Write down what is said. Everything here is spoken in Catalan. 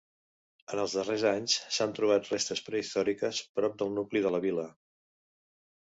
En els darrers anys s'han trobat restes prehistòriques prop del nucli de la vila.